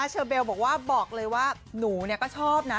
เชอเบลบอกเลยว่าหนูเนี่ยก็ชอบนะอ่ะ